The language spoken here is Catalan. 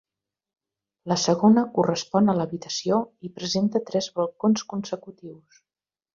La segona correspon a l'habitació i presenta tres balcons consecutius.